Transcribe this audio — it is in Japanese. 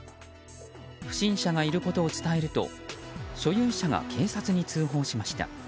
不審者がいることを伝えると所有者が警察に通報しました。